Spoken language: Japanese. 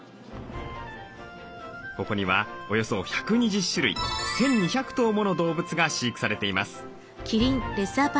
ここにはおよそ１２０種類１，２００頭もの動物が飼育されています。